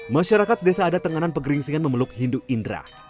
masyarakat desa ada tenganan pegeringsingan memeluk hindu indra